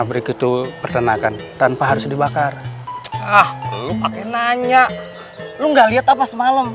berikut itu pertenakan tanpa harus dibakar ah pakai nanya lu nggak lihat apa semalam